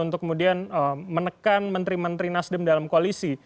untuk kemudian menekan menteri menteri nasdem dalam koalisi